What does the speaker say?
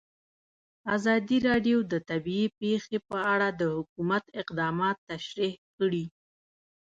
ازادي راډیو د طبیعي پېښې په اړه د حکومت اقدامات تشریح کړي.